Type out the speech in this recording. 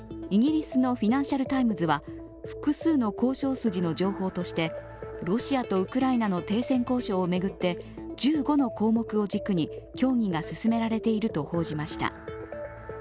イギリスの「フィナンシャル・タイムズ」は複数の交渉筋の情報としてロシアとウクライナの停戦交渉を巡って１５の項目を軸に協議が進められていると報じました。